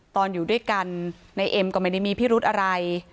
อยู่ด้วยกันในเอ็มก็ไม่ได้มีพิรุธอะไร